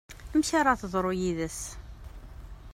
Amek ara teḍru yid-s?